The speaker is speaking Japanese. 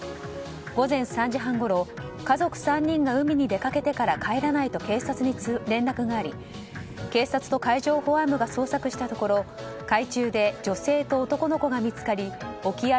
午前３時半ごろ家族３人が海に出かけてから帰らないと警察に連絡があり警察と海上保安部が捜索したところ海中で女性と男の子が見つかり沖合